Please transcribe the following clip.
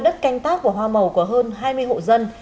đất canh tác và hoa màu của hơn hai mươi hộ dân